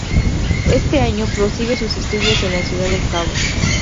Este año, prosigue sus estudios en la Ciudad del Cabo.